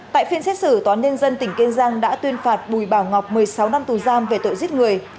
tại phiên xét xử tòa án nhân dân tỉnh kiên giang đã tuyên phạt bùi bảo ngọc một mươi sáu năm tù giam về tội giết người